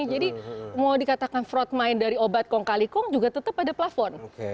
jadi mau dikatakan fraud main dari obat kong kali kong juga tetap ada plafon